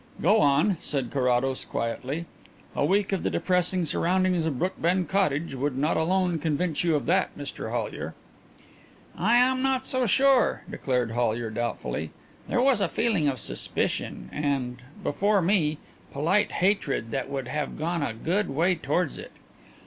"Go on," said Carrados quietly. "A week of the depressing surroundings of Brookbend Cottage would not alone convince you of that, Mr Hollyer." "I am not so sure," declared Hollyer doubtfully. "There was a feeling of suspicion and before me polite hatred that would have gone a good way towards it.